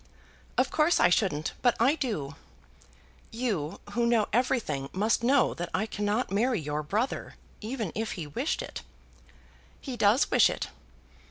"Of course I shouldn't, but I do." "You, who know everything, must know that I cannot marry your brother, even if he wished it." "He does wish it."